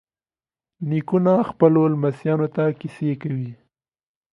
نیکونه خپلو لمسیانو ته کیسې کوي.